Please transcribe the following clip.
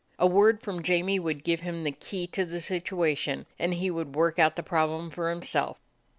A word from Jamie would give him the key to the situation, and he would work out the prob lem for himself.